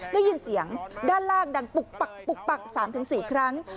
ได้ยินเสียงด้านล่างดังปุกปัก๓๔ครั้ง